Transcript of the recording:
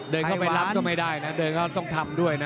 เดินเข้าไปรับก็ไม่ได้นะเดินก็ต้องทำด้วยนะ